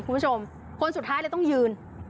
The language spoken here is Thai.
คุณผู้ชมคนสุดท้ายเลยต้องยืน